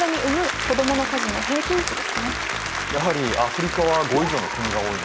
やはりアフリカは５以上の国が多いね。